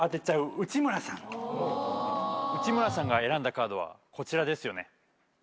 内村さんが選んだカードはこちらですよね。